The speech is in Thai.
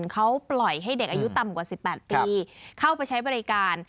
เขาปล่อยให้เด็กอายุต่ำกว่า๑๘ปีเข้าไปใช้บริการ